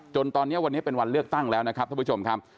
จนตอนนี้วันนี้เป็นวันเลือกตั้งแล้วนะครับท่านผู้ชมครับ